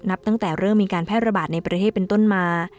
ตั้งแต่เริ่มมีการแพร่ระบาดในประเทศเป็นต้นมา